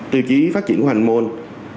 tiêu chí phát triển của hoàng anh mall